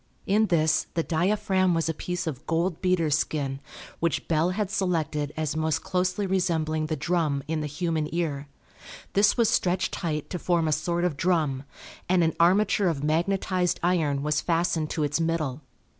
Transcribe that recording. In this the diaphragm was a piece of gold beater's skin, which Bell had selected as most closely resembling the drum in the human ear. This was stretched tight to form a sort of drum, and an armature of magnetized iron was fastened to its middle.